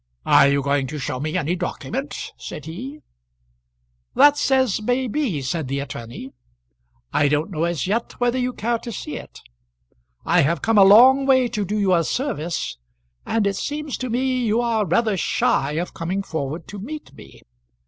"Are you going to show me any document?" said he. "That's as may be," said the attorney. "I don't know as yet whether you care to see it. I have come a long way to do you a service, and it seems to me you are rather shy of coming forward to meet me.